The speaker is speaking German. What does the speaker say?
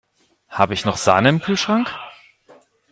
Habe ich noch Sahne im Kühlschrank?